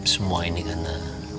semua ini karena